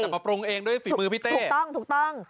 มาปรุงเองด้วยฝีมือพี่เต้นถูกต้อง